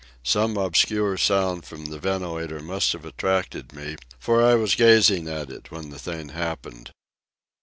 Some obscure sound from the ventilator must have attracted me, for I was gazing at it when the thing happened.